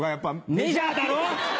メジャーだろ！